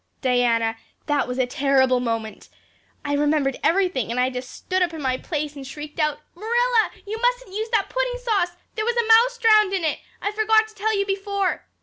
Diana, that was a terrible moment. I remembered everything and I just stood up in my place and shrieked out 'Marilla, you mustn't use that pudding sauce. There was a mouse drowned in it. I forgot to tell you before.